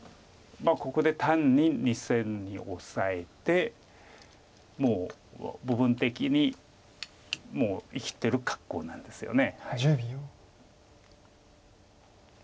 ここで単に２線にオサえてもう部分的に生きてる格好なんですよね。